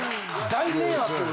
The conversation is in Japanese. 大迷惑。